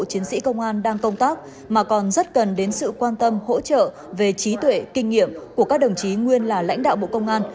chiến sĩ công an đang công tác mà còn rất cần đến sự quan tâm hỗ trợ về trí tuệ kinh nghiệm của các đồng chí nguyên là lãnh đạo bộ công an